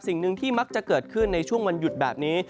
สิ่งหนึ่งที่มักจะเกิดขึ้นในช่วงวันหยุดแบบนี้